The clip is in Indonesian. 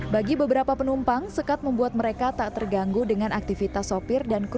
bagi beberapa penumpang sekat membuat mereka tak terganggu dengan aktivitas sopir